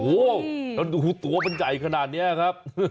โอ้โหดูตัวเป็นใจขนาดแนี้ยครับ